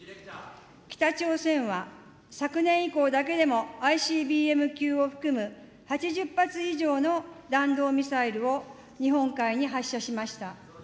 北朝鮮は、昨年以降だけでも、ＩＣＢＭ級を含む８０発以上の弾道ミサイルを日本海に発射しました。